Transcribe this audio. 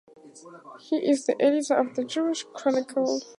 He is the editor of "The Jewish Chronicle".